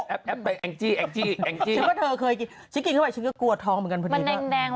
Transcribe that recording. อันนี้เขาชิน